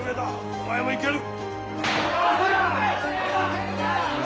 お前もいける！